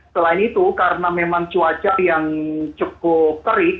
selain itu karena memang cuaca yang cukup terik